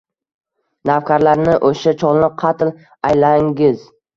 Navkarlarni, o’sha cholni qatl aylangiz!